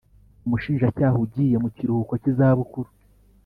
Umushinjacyaha ugiye mu kiruhuko cy izabukuru